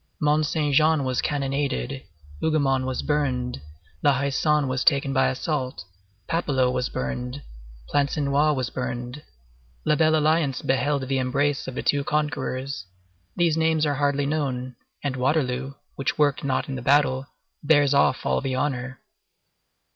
Mont Saint Jean was cannonaded, Hougomont was burned, La Haie Sainte was taken by assault, Papelotte was burned, Plancenoit was burned, La Belle Alliance beheld the embrace of the two conquerors; these names are hardly known, and Waterloo, which worked not in the battle, bears off all the honor.